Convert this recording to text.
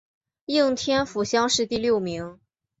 应天府乡试第六名。